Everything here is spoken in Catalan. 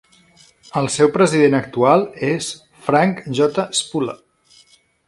El seu president actual és Frank J. Spula.